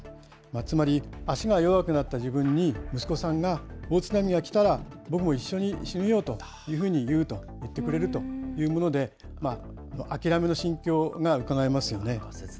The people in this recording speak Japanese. つまり、足が弱くなった自分に、息子さんが、大津波が来たら僕も一緒に死ぬよと言うと、言ってくれるというもので、諦めの心境がうかがえますよね。